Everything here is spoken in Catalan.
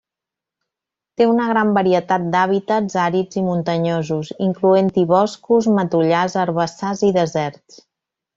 Té una gran varietat d'hàbitats àrids i muntanyosos, incloent-hi boscos, matollars, herbassars i deserts.